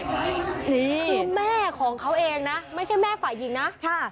คือแม่ของเขาเองนะไม่ใช่แม่ฝ่ายหญิงนะค่ะ